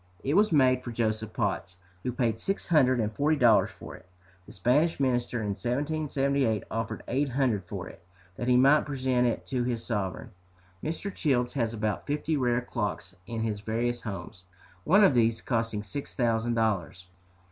It was made for Joseph Potts, who paid six hundred and forty dollars for it. The Spanish Minister in 1778 offered eight hundred for it, that he might present it to his sovereign. Mr. Childs has about fifty rare clocks in his various homes, one of these costing six thousand dollars.